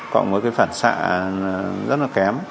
còn với cái phản xạ rất là kém